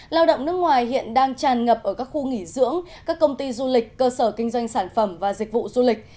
lao động nước ngoài hiện đang tràn ngập ở các khu nghỉ dưỡng các công ty du lịch cơ sở kinh doanh sản phẩm và dịch vụ du lịch